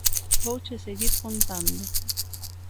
Vouche seguir contando.